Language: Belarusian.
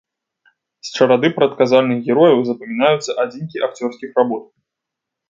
З чарады прадказальных герояў запамінаюцца адзінкі акцёрскіх работ.